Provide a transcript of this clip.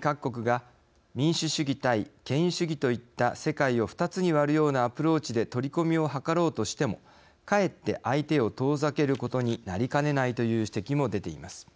各国が民主主義対権威主義といった世界を２つに割るようなアプローチで取り込みをはかろうとしてもかえって相手を遠ざけることになりかねないという指摘も出ています。